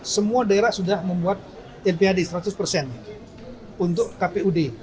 semua daerah sudah membuat nphd seratus persen untuk kpud